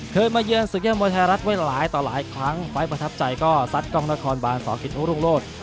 มาเยือนศึกยอดมวยไทยรัฐไว้หลายต่อหลายครั้งไฟล์ประทับใจก็ซัดกล้องนครบานสกิตรุงโลศ